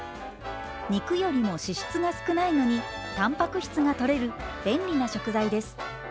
肉よりも脂質が少ないのにたんぱく質がとれる便利な食材です。